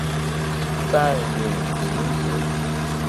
范允临子。